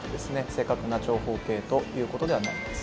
正確な長方形という事ではないです。